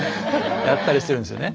やったりしてるんですよね。